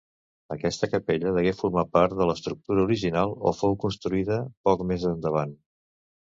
Aquesta capella degué formar part de l'estructura original o fou construïda poc més endavant.